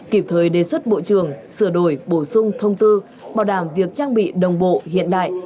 kịp thời đề xuất bộ trưởng sửa đổi bổ sung thông tư bảo đảm việc trang bị đồng bộ hiện đại